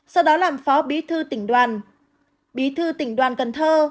sau đó làm phó bí thư tỉnh đoàn bí thư tỉnh đoàn cần thơ